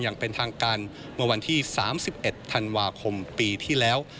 อย่างเป็นทางการเมื่อวันที่๓๑ธันวาคมปีที่แล้ว